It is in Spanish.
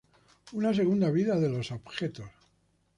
Una segunda vida de los objetos.